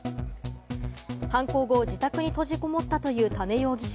犯行後、自宅に閉じこもったという多禰容疑者。